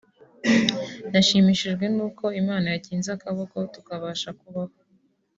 Nashimishijwe nuko Imana yakinze akaboko tukabasha kubaho